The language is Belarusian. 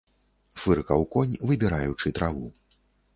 Фыркаў конь, выбіраючы траву.